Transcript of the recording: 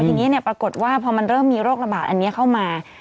ทีนี้ปรากฏว่าพอมันเริ่มมีโรคระบาดอันนี้เข้ามา